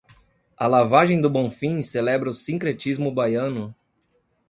A Lavagem do Bonfim celebra o sincretismo baiano